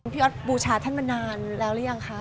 พี่ออสบูชาท่านมานานแล้วหรือยังคะ